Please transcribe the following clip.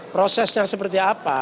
prosesnya seperti apa